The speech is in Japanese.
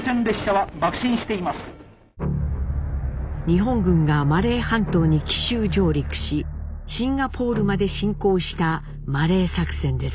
日本軍がマレー半島に奇襲上陸しシンガポールまで侵攻したマレー作戦です。